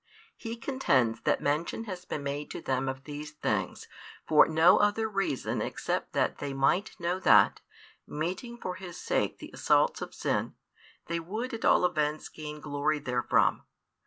He contends that mention has been made to them of these things for no other reason except that they might |438 know that, meeting for His sake the assaults of sin, they would at all events gain glory therefrom.